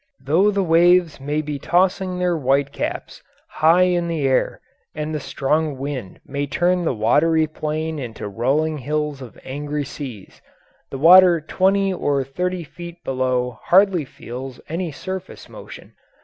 Though the waves may be tossing their whitecaps high in air and the strong wind may turn the watery plain into rolling hills of angry seas, the water twenty or thirty feet below hardly feels any surface motion.